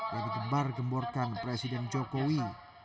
yang digembar gemborkan presiden jokowi